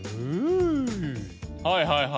はいはいはい。